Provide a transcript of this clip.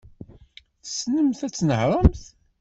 Tessnemt ad tnehṛemt?